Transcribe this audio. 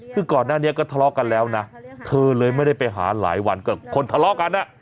คือก่อนหน้านี้ก็ทะเลาะกันแล้วนะเธอเลยไม่ได้ไปหาหลายวันกับคนทะเลาะกันอ่ะ